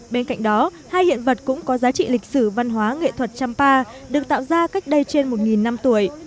bên cạnh đó hai hiện vật cũng có giá trị lịch sử văn hóa nghệ thuật chăm pa được tạo ra cách đây trên một năm tuổi